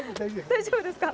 大丈夫ですか。